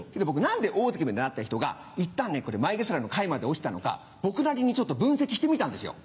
何で大関までなった人がいったん前頭の下位まで落ちたのか僕なりに分析してみたんですよ。